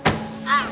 ああ！